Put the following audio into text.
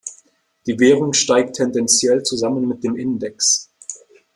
Die Währung steigt tendenziell zusammen mit dem Index.